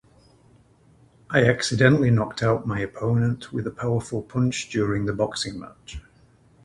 I accidentally knocked out my opponent with a powerful punch during the boxing match.